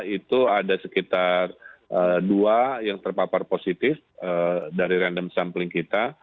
itu ada sekitar dua yang terpapar positif dari random sampling kita